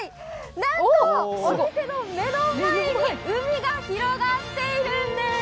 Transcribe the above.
なんとお店の目の前に海が広がっているんです。